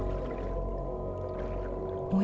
おや？